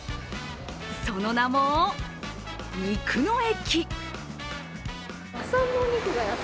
その名も、肉の駅。